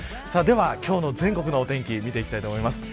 今日の全国のお天気見ていきたいと思います。